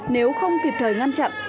nếu không kịp thời ngăn chặn